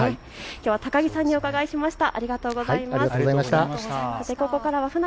きょうは高木さんに伺いました。